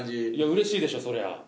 うれしいでしょそりゃ！